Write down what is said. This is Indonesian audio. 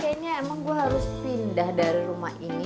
kayaknya emang gue harus pindah dari rumah ini